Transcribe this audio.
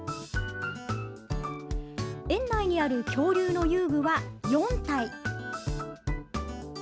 園内にある恐竜の遊具は４体。